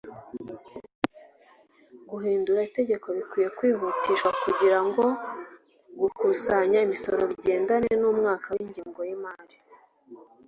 Guhindura itegeko bikwiye kwihutishwa kugira ngo gukusanya imisoro bigendane n’umwaka w’Ingengo y’Imari